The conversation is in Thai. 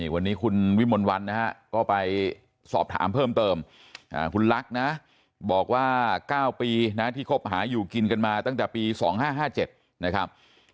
วันนี้คุณวิมลวันนะฮะก็ไปสอบถามเพิ่มเติมคุณลักษณ์นะบอกว่า๙ปีนะที่คบหาอยู่กินกันมาตั้งแต่ปี๒๕๕๗นะครับ